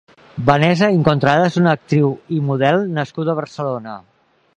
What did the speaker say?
Vanessa Incontrada és una actriu i model nascuda a Barcelona.